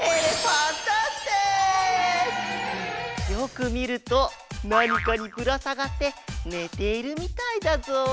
よくみるとなにかにぶらさがってねているみたいだぞ。